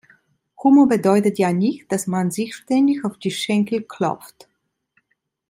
Humor bedeutet ja nicht, dass man sich ständig auf die Schenkel klopft.